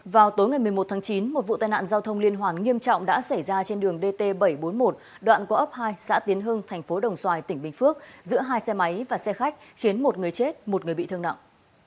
vào tối ngày một mươi một tháng chín một vụ tai nạn giao thông liên hoàn nghiêm trọng đã xảy ra trên đường dt bảy trăm bốn mươi một đoạn có ấp hai xã tiến hưng thành phố đồng xoài tỉnh bình phước giữa hai xe máy và xe khách khiến một người chết một người bị thương nặng